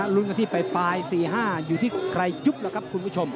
รุ้นกันที่ปลาย๔๕อยู่ที่ใครยุบแล้วครับคุณผู้ชม